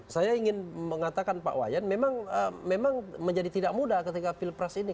saya ingin mengatakan pak wayan memang menjadi tidak mudah ketika pilpres ini